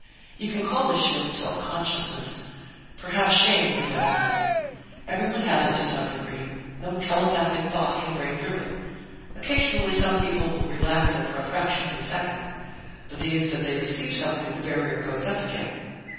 "You can call this shield 'self consciousness' perhaps shame is a better word. Everyone has it, to some degree; no telepathic thought can break through it. Occasionally, some people will relax it for a fraction of a second, but the instant they receive something, the barrier goes up again."